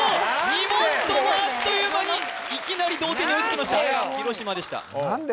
２問ともあっという間にいきなり同点に追いつきました広島でした何で？